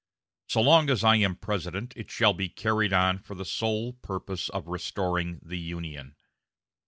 So long as I am President it shall be carried on for the sole purpose of restoring the Union.